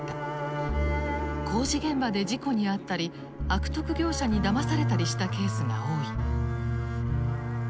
工事現場で事故に遭ったり悪徳業者にだまされたりしたケースが多い。